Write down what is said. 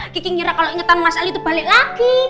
kiki ngira kalau ingetan mas ali itu balik lagi